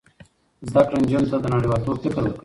زده کړه نجونو ته د نړیوالتوب فکر ورکوي.